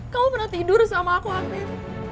kau pernah tidur sama aku afif